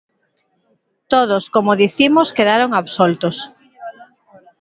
Todos, como dicimos, quedaron absoltos.